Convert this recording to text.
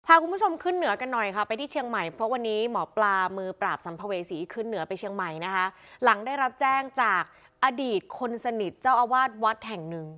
พาคุณผู้ชมขึ้นเหนือกันหน่อยค่ะไปที่เชียงใหม่เพราะวันนี้หมอปลามือปราบสัมภเวษีขึ้นเหนือไปเชียงใหม่นะคะหลังได้รับแจ้งจากอดีตคนสนิทเจ้าอาวาสวัดแห่งหนึ่ง